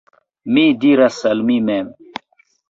Mi diras al mi mem: